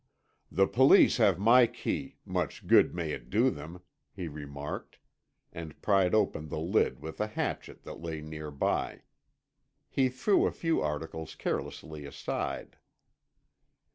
"The Police have my key—much good may it do them," he remarked, and pried open the lid with a hatchet that lay near by. He threw a few articles carelessly aside.